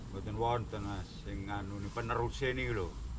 bukan wong tersinggah penerus ini loh